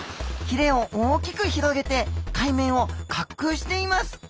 ヒレを大きく広げて海面を滑空しています。